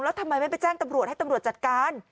แล้วทำไมไม่ไปแจ้งตำรวจให้ตำรวจจัดการ